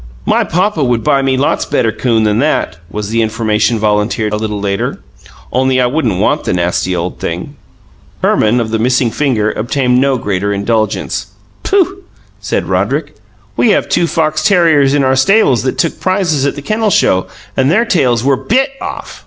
"My papa would buy me a lots better 'coon than that," was the information volunteered a little later, "only I wouldn't want the nasty old thing." Herman of the missing finger obtained no greater indulgence. "Pooh!" said Roderick. "We have two fox terriers in our stables that took prizes at the kennel show, and their tails were BIT off.